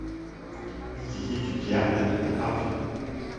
Il y étudia la topographie.